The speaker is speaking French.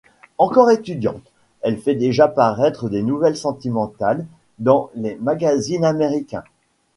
Encore étudiante, elle fait déjà paraître des nouvelles sentimentales dans des magazines américains.